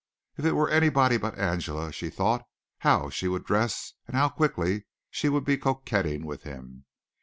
If it were anybody but Angela, she thought, how she would dress and how quickly she would be coquetting with him.